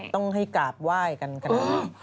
ต้องให้กราบไหว้กันขนาดนี้